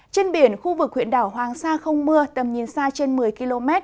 trên biển khu vực huyện đảo hoàng sa không mưa tầm nhìn xa trên một mươi km